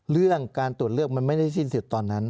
เรื่องการตรวจเลือกมันไม่ได้สิ้นสุดตอนนั้น